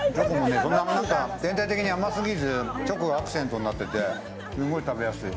でも、全体的に甘すぎず、チョコがアクセントになってて、すごい食べやすい。